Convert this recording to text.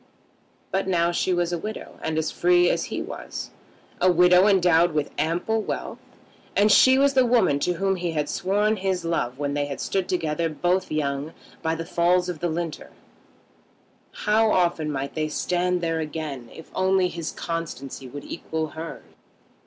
But now she was a widow and as free as he was, a widow endowed with ample wealth; and she was the woman to whom he had sworn his love when they had stood together, both young, by the falls of the Linter! How often might they stand there again if only his constancy would equal hers?